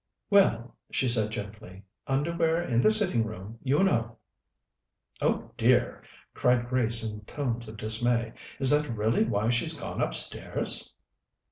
"Well," she said gently, "underwear in the sitting room, you know!" "Oh dear!" cried Grace in tones of dismay. "Is that really why she's gone upstairs?"